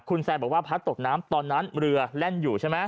คุณแซนบอกว่าพัดตกน้ำตอนนั้นเรือแล่นอยู่ใช่ไหม